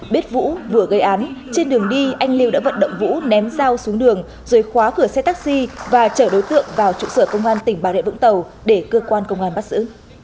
biết vũ vừa gây án trên đường đi anh liêu đã vận động vũ ném dao xuống đường rồi khóa cửa xe taxi và trở đối tượng vào trụ sở công an tỉnh bà rịa vũng tàu để cơ quan công an bắt giữ